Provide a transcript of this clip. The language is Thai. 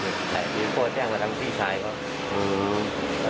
พ่อแจ้งมาทำพี่ชายเขา